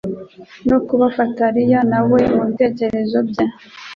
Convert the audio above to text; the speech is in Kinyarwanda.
no kuba bafatariya na we mu bigeragezo bye.